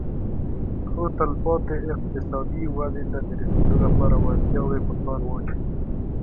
خو تلپاتې اقتصادي ودې ته د رسېدو لپاره وړتیاوې په کار واچوي